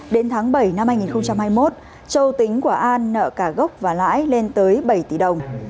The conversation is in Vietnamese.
đến tháng bảy năm hai nghìn hai mươi một châu tính của an nợ cả gốc và lãi lên tới bảy tỷ đồng